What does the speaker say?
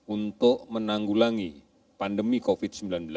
untuk menanggulangi pandemi covid sembilan belas